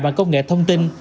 bằng công nghệ thông tin